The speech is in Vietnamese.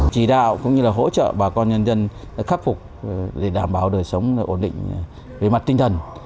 chỉ đạo cũng như là hỗ trợ bà con nhân dân khắc phục để đảm bảo đời sống ổn định về mặt tinh thần